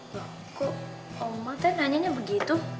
kok oma nanyanya begitu